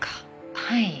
はい。